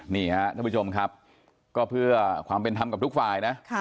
นี่ฮะท่านผู้ชมครับก็เพื่อความเป็นธรรมกับทุกฝ่ายนะ